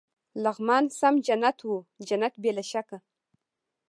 لغمان سم جنت و، جنت بې له شکه.